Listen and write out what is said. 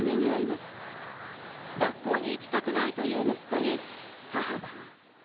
学校に行きたくないという息子に母は。